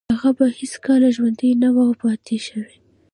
هغه به هیڅکله ژوندی نه و پاتې شوی